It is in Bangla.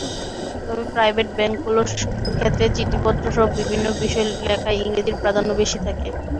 তবে প্রাইভেট ব্যাংকগুলোর ক্ষেত্রে চিঠিপত্রসহ বিভিন্ন বিষয় লেখায় ইংরেজির প্রাধান্য বেশি থাকে।